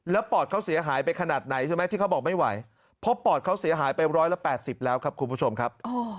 แล้วปอดเขาเสียหายไปขนาดไหนใช่ไหมที่เขาบอกไม่ไหวเพราะปอดเขาเสียหายไป๑๘๐แล้วครับคุณผู้ชมครับ